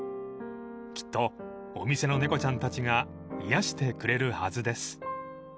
［きっとお店の猫ちゃんたちが癒やしてくれるはずです］